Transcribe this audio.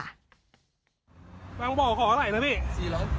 บางบ่อขออะไรนะพี่